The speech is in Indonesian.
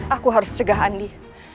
aku harus cegah andi